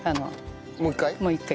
もう一回？